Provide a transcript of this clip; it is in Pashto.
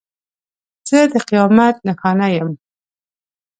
زه د قیامت نښانه یم.